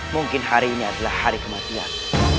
mungkin hari ini adalah hari kematian